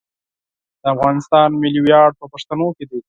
د افغانستان ملي ویاړ په پښتنو کې دی.